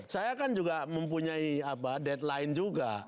saya kan juga mempunyai deadline juga